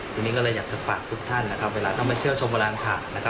ทีนี้ก็เลยอยากจะฝากทุกท่านนะครับเวลาต้องไปเที่ยวชมพลังข่าว